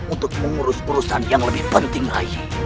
untuk mengurus perusahaan yang lebih penting rai